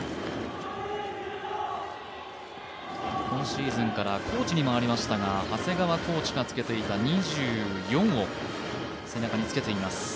今シーズンからコーチに回りましたが、長谷川コーチがつけていた２４を背中につけています。